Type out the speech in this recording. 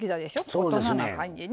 大人な感じね。